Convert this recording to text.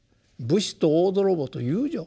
武士と大泥棒と遊女